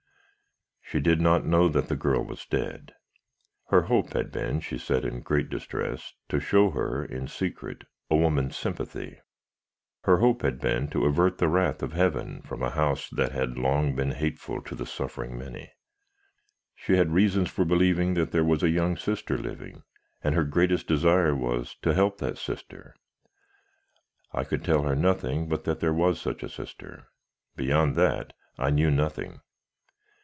She did not know that the girl was dead. Her hope had been, she said in great distress, to show her, in secret, a woman's sympathy. Her hope had been to avert the wrath of Heaven from a House that had long been hateful to the suffering many. She had reasons for believing that there was a young sister living, and her greatest desire was, to help that sister. I could tell her nothing but that there was such a sister; beyond that, I knew nothing.